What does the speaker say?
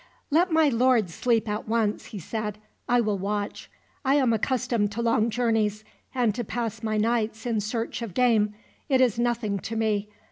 "Let my lord sleep at once," he said. "I will watch. I am accustomed to long journeys, and to pass my nights in search of game. It is nothing to me.